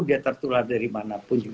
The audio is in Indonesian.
dia tertular dari mana pun